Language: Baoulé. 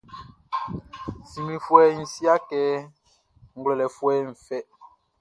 Siglifoué siâkê nʼglwêlêfoué fɛ.